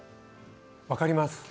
分かります。